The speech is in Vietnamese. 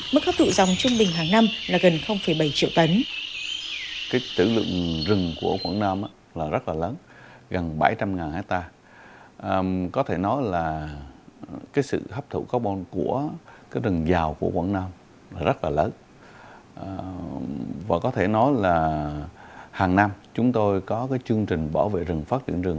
mức hấp thụ dòng trung bình hàng năm là gần bảy triệu tấn